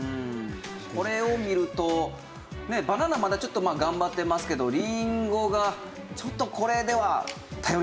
これを見るとバナナまだちょっと頑張ってますけどりんごがちょっとこれでは頼りないですよね。